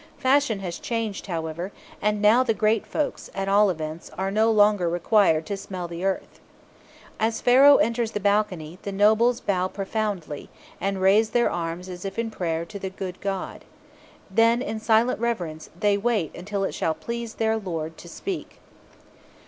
Fashion has changed, however, and now the great folks, at all events, are no longer required to "smell the earth." As Pharaoh enters the balcony, the nobles bow profoundly, and raise their arms as if in prayer to "the good god." Then, in silent reverence, they wait until it shall please their lord to speak.